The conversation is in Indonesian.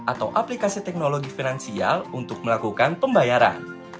atau aplikasi teknologi finansial untuk melakukan pembayaran